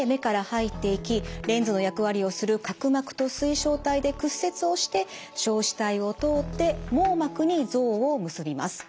レンズの役割をする角膜と水晶体で屈折をして硝子体を通って網膜に像を結びます。